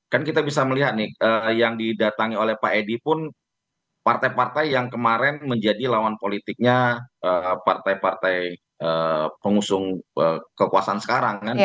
kan kita bisa melihat nih yang didatangi oleh pak edi pun partai partai yang kemarin menjadi lawan politiknya partai partai pengusung kekuasaan sekarang kan